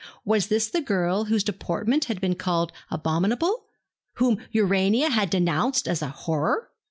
Was this the girl whose deportment had been called abominable, whom Urania had denounced as a horror?